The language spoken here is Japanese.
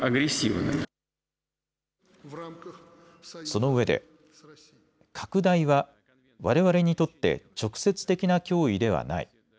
そのうえで拡大はわれわれにとって直接的な脅威ではない。